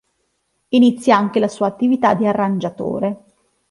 Inizia anche la sua attività di arrangiatore.